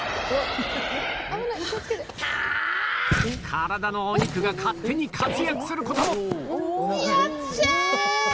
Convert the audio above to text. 体のお肉が勝手に活躍することも！